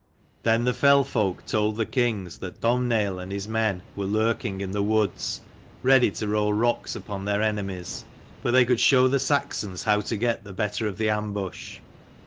Then the fell folk told the kings that Domh naill and his men were lurking in the woods, ready to roll rocks upon their enemies. But they could show the Saxons how to get the better of the ambush.